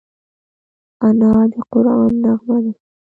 انا د قرآن نغمه ده